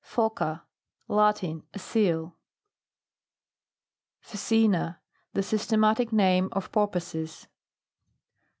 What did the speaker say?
PHOCA. Lati'i. A Seal. PHCECENA. The systematic name of porpoises.